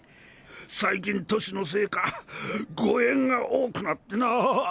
最近年のせいか誤嚥が多くなってな。